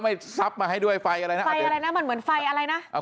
ไฟอะไรทำให้เรา